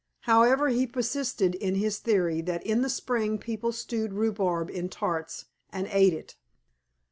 However, he persisted in his theory that in the spring people stewed rhubarb in tarts, and ate it!